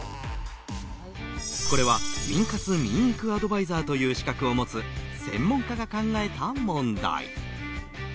これは眠活眠育アドバイザーという資格を持つ専門家が考えた問題。